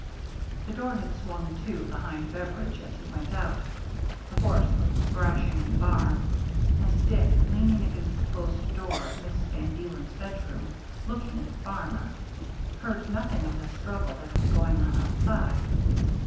The door had swung to behind Beveridge THE MEETING 331 as he went out; the horse was thrashing in the barn ; and Dick, leaning against the closed door of Mrs. van Deelen's bedroom, looking at the farmer, heard nothing of the struggle that was going on outside.